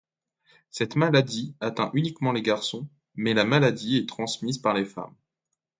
Cette maladie atteint uniquement les garçons, mais la maladie est transmise par les femmes.